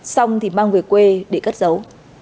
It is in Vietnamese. xong thì mang về quê để cất dấu